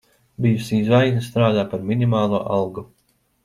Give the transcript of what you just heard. Bijusī zvaigzne strādā par minimālo algu.